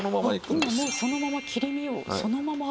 今もうそのまま切り身をそのまま。